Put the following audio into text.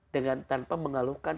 dengan tanpa mengaluhkan